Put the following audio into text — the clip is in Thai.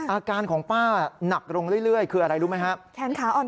อาการของป้าหนักลงเรื่อยคืออะไรรู้ไหมครับ